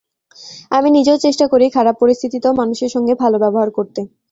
আমি নিজেও চেষ্টা করি খারাপ পরিস্থিতিতেও মানুষের সঙ্গে ভালো ব্যবহার করতে।